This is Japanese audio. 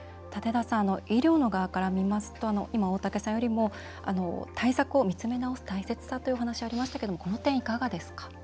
医療の側から見ますと今、大竹さんからも対策を見直す大切さというお話がありましたがこの点はいかがですか？